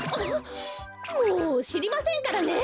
もうしりませんからね！